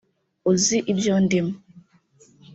uzi ibyo ndimo’